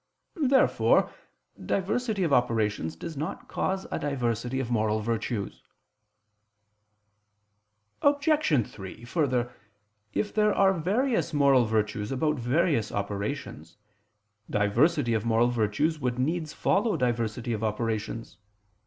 Therefore diversity of operations does not cause a diversity of moral virtues. Obj. 3: Further, if there are various moral virtues about various operations, diversity of moral virtues would needs follow diversity of operations.